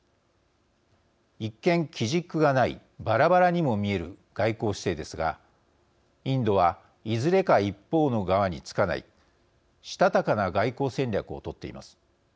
一見、基軸がないばらばらにも見える外交姿勢ですがインドは、いずれか一方の側につかないしたたかな外交戦略を取っています。